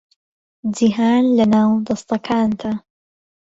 جیهان لەناو دەستەکانتە